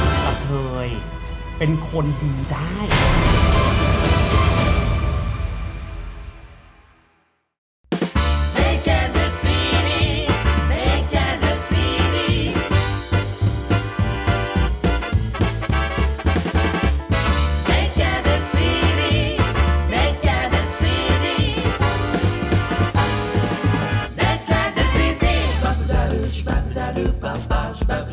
กะเทยเป็นคนดูได้